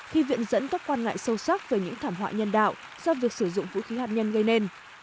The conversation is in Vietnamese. khi viện dẫn các quan ngại sâu sắc về những thảm họa nhân đạo do việc sử dụng vũ khí hạt nhân gây nên